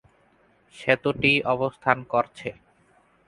সেতুটি অবস্থান করছে